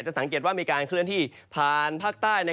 สังเกตว่ามีการเคลื่อนที่ผ่านภาคใต้